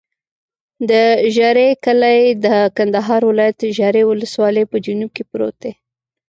د ژرۍ کلی د کندهار ولایت، ژرۍ ولسوالي په جنوب کې پروت دی.